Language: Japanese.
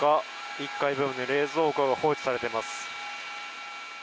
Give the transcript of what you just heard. １階部分に冷蔵庫が放置されています。